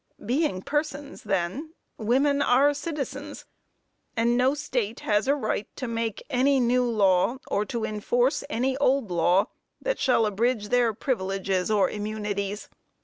Being persons, then, women are citizens, and no state has a right to make any new law, or to enforce any old law, that shall abridge their privileges or immunities.